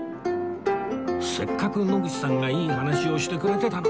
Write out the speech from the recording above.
せっかく野口さんがいい話をしてくれてたのに